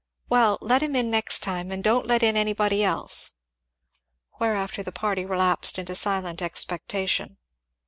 "Well let him in next time; and don't let in anybody else." Whereafter the party relapsed into silent expectation.